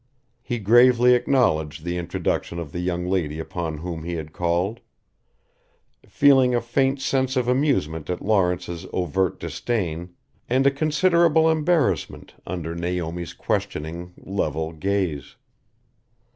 He gravely acknowledged the introduction of the young lady upon whom he had called: feeling a faint sense of amusement at Lawrence's overt disdain and a considerable embarrassment under Naomi's questioning, level gaze.